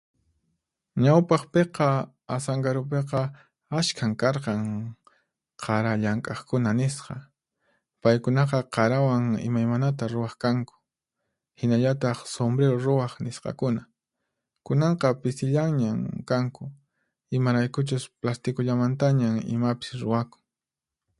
Ñawpaqpiqa, Asankarupiqa ashkhan karqan qara llank'aqkuna nisqa, paykunaqa qarawan imaymanata ruwaq kanku. Hinallataq, sumbriru ruwaq nisqakuna. Kunanqa pisillanñan kanku, imaraykuchus plastikullamantañan imapis ruwakun.